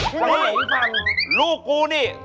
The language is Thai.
พี่มายังไงพี่ฟังนี่ลูกกูนี่